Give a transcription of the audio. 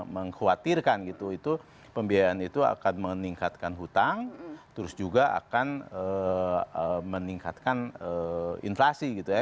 mengkhawatirkan gitu itu pembiayaan itu akan meningkatkan hutang terus juga akan meningkatkan inflasi gitu ya